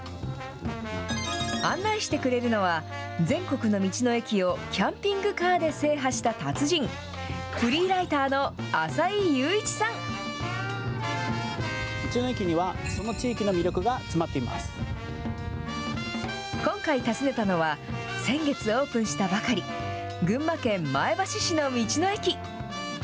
案内してくれるのは、全国の道の駅をキャンピングカーで制覇した達人、今回訪ねたのは、先月オープンしたばかり、群馬県前橋市の道の駅。